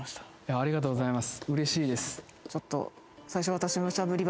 ありがとうございます。